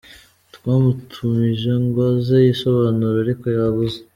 Twamutumije ngo aze yisobanure ariko yabuze.